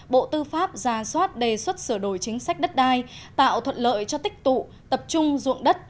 bộ tư pháp ra soát đề xuất sửa đổi chính sách đất đai tạo thuận lợi cho tích tụ tập trung dụng đất